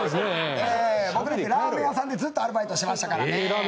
僕、ラーメン屋さんでずっとアルバイトしてましたからね。